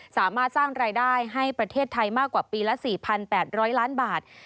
สามารถสร้างรายได้ให้ประเทศไทยมากกว่าปีละ๔๘๐๐ล้านบาท